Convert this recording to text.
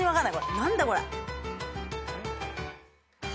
何だこれ。